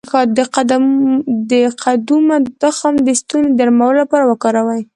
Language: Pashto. د قدومه تخم د ستوني د نرمولو لپاره وکاروئ